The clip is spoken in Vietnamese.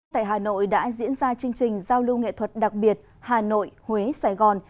tại hà nội đã diễn ra chương trình giao lưu nghệ thuật đặc biệt hà nội huế sài gòn